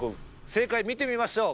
正解見てみましょう。